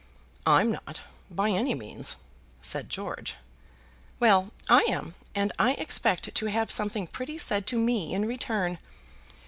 "I'm not; by any means," said George. "Well, I am, and I expect to have something pretty said to me in return.